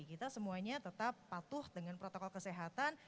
kita semuanya tetap patuh dengan protokol kesehatan